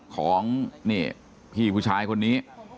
ของนี่พี่ผู้ชายคนนี้